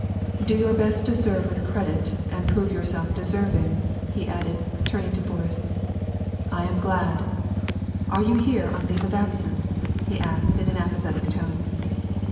"Do your best to serve with credit and prove yourself deserving," he added, turning to Boris. " I am glad. — Are you here on leave of absence ?" he asked, in an apathetic tone.